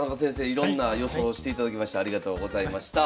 いろんな予想をしていただきましてありがとうございました。